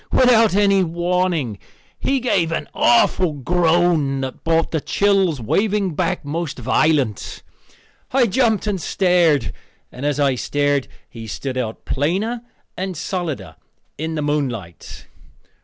Without any warning he gave an awful groan that brought the chills waving back most violent. I jumped and stared, and as I stared he stood out plainer and solider in the moonlight.